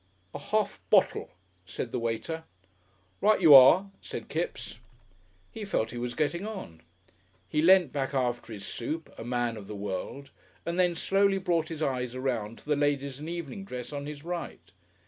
"A half bottle?" said the waiter. "Right you are," said Kipps. He felt he was getting on. He leant back after his soup, a man of the world, and then slowly brought his eyes around to the ladies in evening dress on his right....